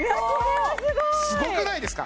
すごいすごくないですか？